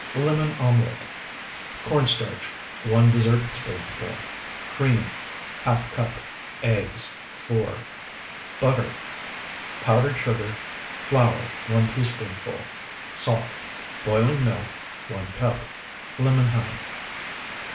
LEMON OMELET Corn starch, 1 dessertspoonful. Cream, ½ cup. Eggs, 4. Butter. Powdered sugar. Flour, 1 teaspoonful. Salt. Boiling milk, 1 cup. Lemon honey.